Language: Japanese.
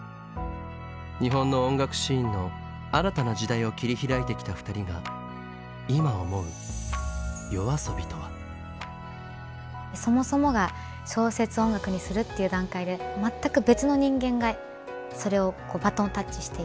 日本の音楽シーンの新たな時代を切り開いてきた２人が今思うそもそもが小説を音楽にするっていう段階で全く別の人間がそれをバトンタッチしていく。